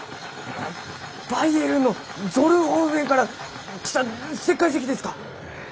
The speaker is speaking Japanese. あバイエルンのゾルンホーフェンから来た石灰石ですか？